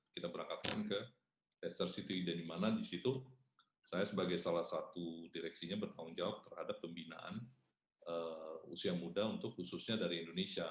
kita berangkatkan ke leicester city dan dimana disitu saya sebagai salah satu direksinya bertanggung jawab terhadap pembinaan usia muda untuk khususnya dari indonesia